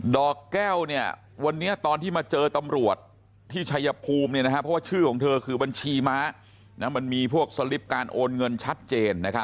ดอกแก้ววันนี้ตอนที่มาเจอตำรวจที่ชัยภูมิเพราะว่าชื่อของเธอคือบัญชีม้ามันมีพวกสลิปการโอนเงินชัดเจน